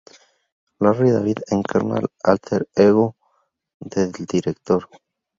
Larry David encarna al "álter ego" del director.